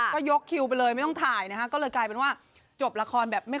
ก็ยกคิวไปเลยไม่ต้องถ่ายนะคะก็เลยกลายเป็นว่าจบละครแบบไม่